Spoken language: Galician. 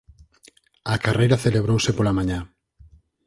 A carreira celebrouse pola mañá.